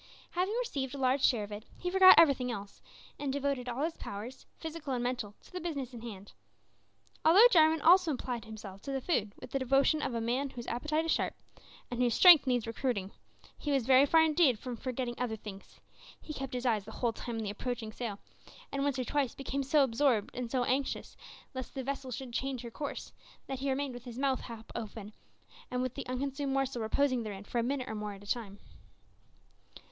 Having received a large share of it, he forgot everything else, and devoted all his powers, physical and mental, to the business in hand. Although Jarwin also applied himself to the food with the devotion of a man whose appetite is sharp, and whose strength needs recruiting, he was very far indeed from forgetting other things. He kept his eyes the whole time on the approaching sail, and once or twice became so absorbed and so anxious lest the vessel should change her course, that he remained with his mouth half open, and with the unconsumed morsel reposing therein for a minute or more at a time.